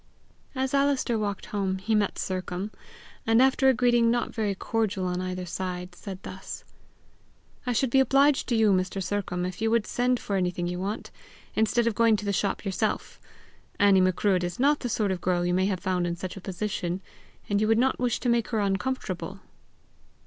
As Alister walked home, he met Sercombe, and after a greeting not very cordial on either side, said thus: "I should be obliged to you, Mr. Sercombe, if you would send for anything you want, instead of going to the shop yourself. Annie Macruadh is not the sort of girl you may have found in such a position, and you would not wish to make her uncomfortable!"